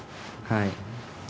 はい。